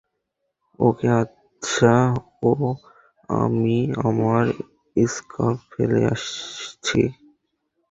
ওকে আচ্ছা ওহ, আমি আমার স্কার্ফ ফেলে আসছি।